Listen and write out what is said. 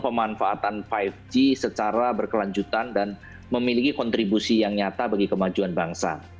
pemanfaatan lima g secara berkelanjutan dan memiliki kontribusi yang nyata bagi kemajuan bangsa